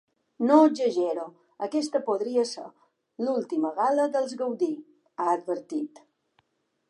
No exagero, aquesta podria ser l’última gala dels Gaudí, ha advertit.